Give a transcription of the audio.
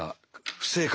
不正解。